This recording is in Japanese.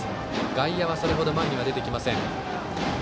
外野はそれほど前には出てきません。